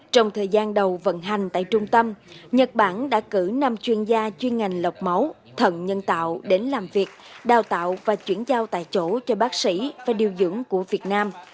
trong thời gian đầu vận hành tại trung tâm nhật bản đã cử năm chuyên gia chuyên ngành lọc máu thận nhân tạo đến làm việc đào tạo và chuyển giao tại chỗ cho bác sĩ và điều dưỡng của việt nam